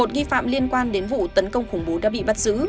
một mươi một nghi phạm liên quan đến vụ tấn công khủng bố đã bị bắt giữ